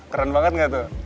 keren banget gak tuh